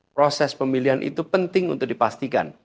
proses pemilihan itu penting untuk dipastikan